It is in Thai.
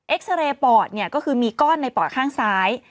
เอ็กซ์เรย์ปอดก็คือมีก้อนในปอดข้างซ้าย